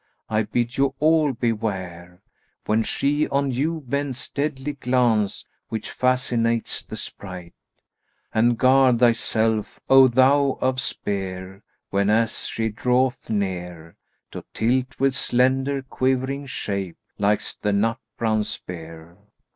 I bid you all beware * When she on you bends deadly glance which fascinates the sprite: And guard thyself, O thou of spear! whenas she draweth near * To tilt with slender quivering shape, likest the nut brown spear."